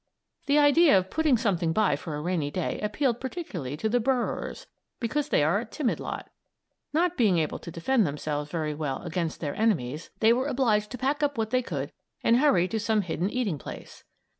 The idea of putting something by for a rainy day appealed particularly to the burrowers because they are a timid lot. Not being able to defend themselves very well against their enemies they were obliged to pack up what they could and hurry to some hidden eating place.